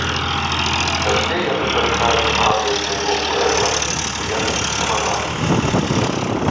Часцей яны карыстаюцца назвай свайго пуэбла ў якасці саманазвы.